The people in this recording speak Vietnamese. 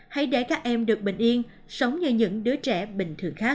hãy để các em được bình yên sống như những đứa trẻ bình thường khác